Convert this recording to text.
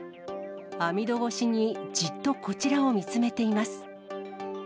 網戸越しにじっとこちらを見つめています。